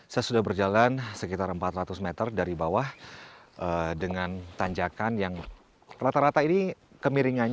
saya sudah berjalan sekitar empat ratus meter dari bawah dengan tanjakan yang rata rata ini kemiringannya